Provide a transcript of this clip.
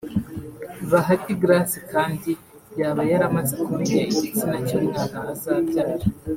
Bahati Grace kandi yaba yaramaze kumenya igitsina cy'umwana azabyara